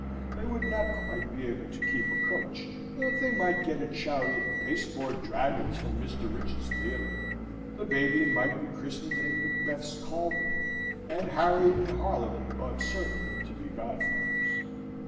They would not quite be able to keep a coach, but they might get a chariot and pasteboard dragons from Mr. Rich's theatre. The baby might be christened in Macbeth's caldron; and Harry and harlequin ought certainly to be godfathers.